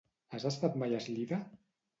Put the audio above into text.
Has estat mai a Eslida?